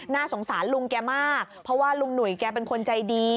น่าสงสารลุงแกมากเพราะว่าลุงหนุ่ยแกเป็นคนใจดี